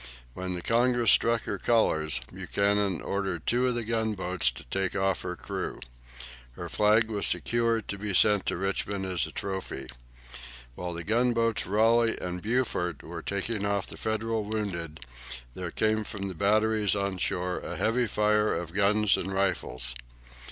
When the "Congress" struck her colours, Buchanan ordered two of the gunboats to take off her crew. Her flag was secured to be sent to Richmond as a trophy. While the gunboats "Raleigh" and "Beaufort" were taking off the Federal wounded, there came from the batteries on shore a heavy fire of guns and rifles.